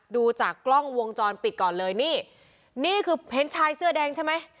ดูจากกล้องวงจรปิดก่อนเลยนี่นี่คือเห็นชายเสื้อแดงใช่ไหม